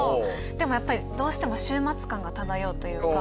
でもやっぱりどうしても終末感が漂うというか。